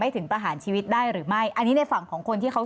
ถึงประหารชีวิตได้หรือไม่อันนี้ในฝั่งของคนที่เขา